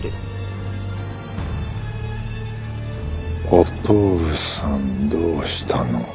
「お父さんどうしたの？」